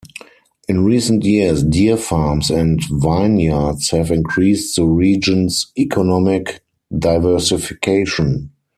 In recent years, deer farms and vineyards have increased the region's economic diversification.